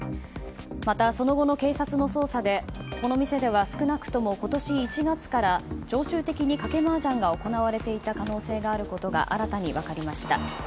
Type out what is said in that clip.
また、その後の警察の捜査でこの店では少なくとも今年１月から常習的に賭けマージャンが行われていた可能性があることが新たに分かりました。